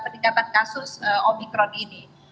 peningkatan kasus omikron ini